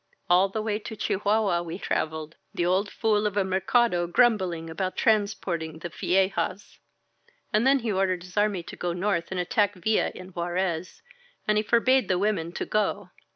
All the way to Chihuahua we traveled, the old fool of a Mercado grumbling about transporting the viejas* And then he ordered his army to go north and attack Villa in Juarez, and he forbade the women to go.